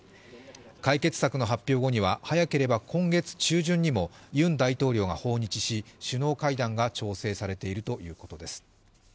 解決策の発表後には、早ければ今月中旬にもユン大統領が訪日し、首脳会談が調整されているということです。